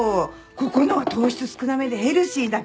ここのは糖質少なめでヘルシーだから。